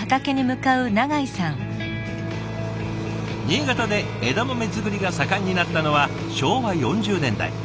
新潟で枝豆作りが盛んになったのは昭和４０年代。